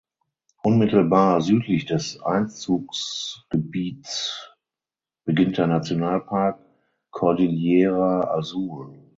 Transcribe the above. Unmittelbar südlich des Einzugsgebiets beginnt der Nationalpark Cordillera Azul.